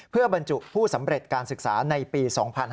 เพื่อบรรจุผู้สำเร็จการศึกษาในปี๒๕๕๙